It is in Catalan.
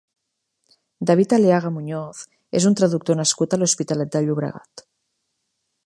David Aliaga Muñoz és un traductor nascut a l'Hospitalet de Llobregat.